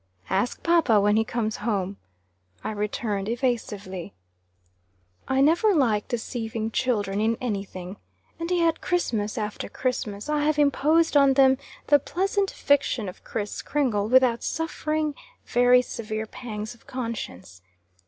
"Ask papa when he comes home," I returned, evasively. I never like deceiving children in any thing. And yet, Christmas after Christmas, I have imposed on them the pleasant fiction of Kriss Kringle, without suffering very severe pangs of conscience.